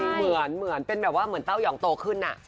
เหมือนเหมือนเป็นแบบว่าเหมือนเต้าหย่องโตขึ้นน่ะ